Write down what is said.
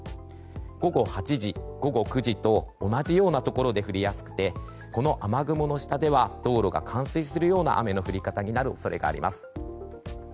午後８時、午後９時と同じようなところで降りやすくてこの雨雲の下では道路が冠水するような雨の降り方になる恐れがあります。